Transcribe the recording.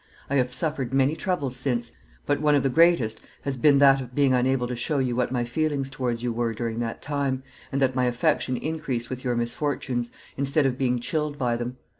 I have suffered many troubles since, but one of the greatest has been that of being unable to show you what my feelings towards you were during that time, and that my affection increased with your misfortunes, instead of being chilled by them.